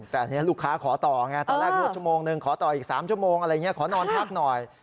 แต่อันนี้ลูกค้าขอต่อไงตอนแรกนึกชั่วโมงหนึ่งขอต่ออีก๓ชั่วโมงอะไรอย่างนี้ขอนอนพักหน่อย